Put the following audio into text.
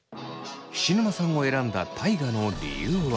菱沼さんを選んだ大我の理由は。